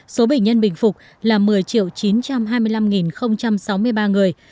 số bệnh nhân bình phục là một mươi chín trăm hai mươi năm sáu mươi ba người